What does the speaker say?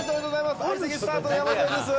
相席スタートの山添です。